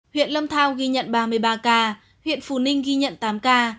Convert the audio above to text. huyện lâm thao ghi nhận ba mươi ba ca huyện phù ninh ghi nhận tám ca